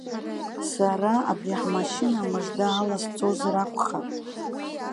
Сара абри ҳмашьына мыжда ала сцозар акәхап.